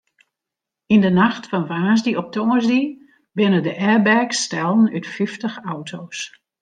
Yn de nacht fan woansdei op tongersdei binne de airbags stellen út fyftich auto's.